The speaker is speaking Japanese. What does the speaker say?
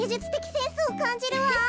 センスをかんじるわ。